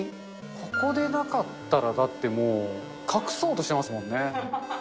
ここでなかったら、だってもう、隠そうとしてますもんね。